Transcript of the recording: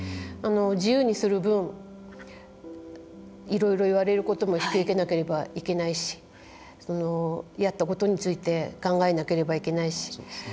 自由にする分いろいろ言われることも引き受けなければいけないしやったことについて考えなければいけないし。